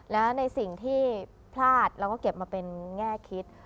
แล้วในสิ่งที่พลาดเราก็เก็บมาเป็นแง่คิด